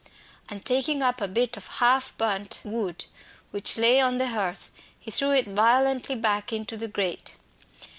And taking up a bit of half burnt wood which lay on the hearth, he threw it violently back into the grate.